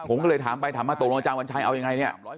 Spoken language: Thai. ผมก็เลยถามไปถามมาตกลงอาจารย์วันชัยเอายังไงเนี่ย